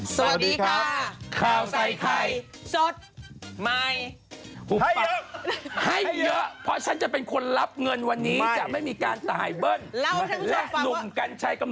สวัสดีค่ะข้าวใส่ไข่สดใหม่ให้เยอะเพราะฉันจะเป็นคนรับเงินวันนี้จะไม่มีการตายเบิ้ลและหนุ่มกัญชัยกำ